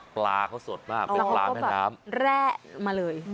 ปลาเขาสดมากเป็นปลาแม่น้ำแร่มาเลย